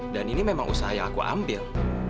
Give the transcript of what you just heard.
dan ini memang usaha yang aku ambil